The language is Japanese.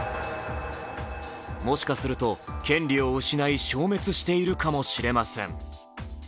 もしかすると権利を失い、消滅しているかもしれません。